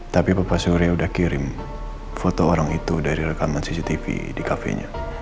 tapi bapak surya udah kirim foto orang itu dari rekaman cctv di cafe nya